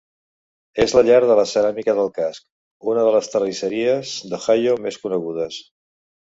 És la llar de la ceràmica del casc, una de les terrisseries d'Ohio més conegudes.